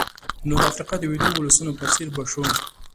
نو د افریقا د ویدو ولسونو په څېر به شو.